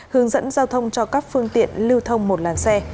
hướng dẫn giao thông cho các phương tiện lưu thông một làn xe